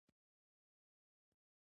ښکاري د ښکار د نیولو لپاره صبر کوي.